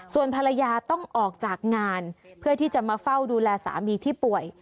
ส่วนภรรยาต้องออกจากงานเพื่อที่จะมาเฝ้าดูแลสามีที่ป่วย